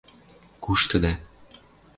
Куштыда